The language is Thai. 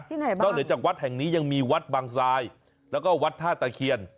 นอกเหนือจากวัดแห่งนี้ยังมีวัดบางทรายแล้วก็วัดท่าตะเคียน